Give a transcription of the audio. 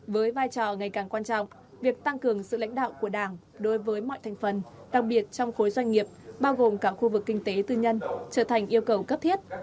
với vai trò ngày càng quan trọng việc tăng cường sự lãnh đạo của đảng đối với mọi thành phần đặc biệt trong khối doanh nghiệp bao gồm cả khu vực kinh tế tư nhân trở thành yêu cầu cấp thiết